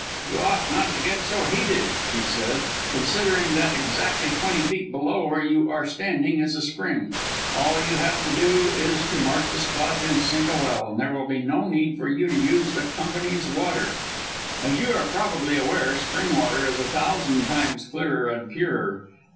"You ought not to get so heated," he said, "considering that exactly twenty feet below where you are standing is a spring. All you have to do is to mark the spot, and sink a well, and there will be no need for you to use the Company's water. As you are probably aware, spring water is a thousand times clearer and purer.